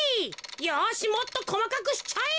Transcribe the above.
よしもっとこまかくしちゃえ。